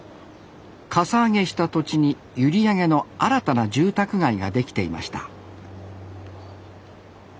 かさ上げした土地に閖上の新たな住宅街が出来ていました